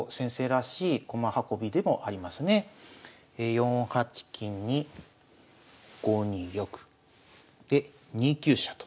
４八金に５二玉で２九飛車と。